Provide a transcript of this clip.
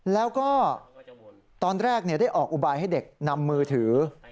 แล้วก็ตอนแรกได้ออกอุบายให้เด็กนำมือถือ